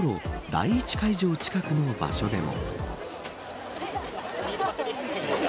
第１会場近くの場所でも。